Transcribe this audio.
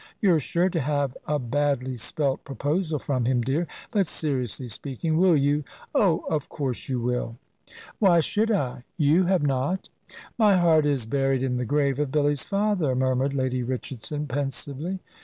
You're sure to have a badly spelt proposal from him, dear. But seriously speaking, will you, oh, of course you will." "Why should I? you have not." "My heart is buried in the grave of Billy's father," murmured Lady Richardson, pensively.